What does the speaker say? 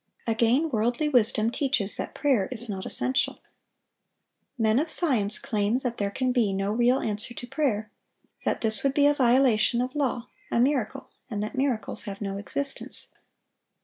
Again, worldly wisdom teaches that prayer is not essential. Men of science claim that there can be no real answer to prayer; that this would be a violation of law, a miracle, and that miracles have no existence.